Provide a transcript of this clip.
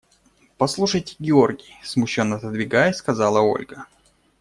– Послушайте, Георгий, – смущенно отодвигаясь, сказала Ольга.